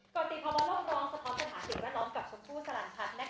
ก่อนติพบว่าล่อมร้องสะท้อนสถานที่แวดล้อมกับชมพู่สลังพัฒน์นะคะ